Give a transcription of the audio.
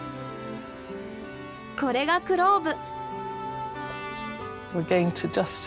これがクローブ。